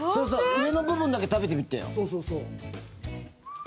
上の部分だけ食べてみてよ。